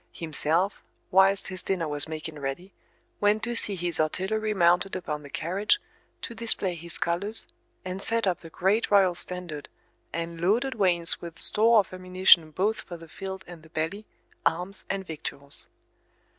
Himself, whilst his dinner was making ready, went to see his artillery mounted upon the carriage, to display his colours, and set up the great royal standard, and loaded wains with store of ammunition both for the field and the belly, arms and victuals.